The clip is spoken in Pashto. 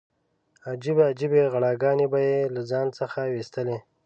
عجیبې عجیبې غړانګې به یې له ځان څخه ویستلې.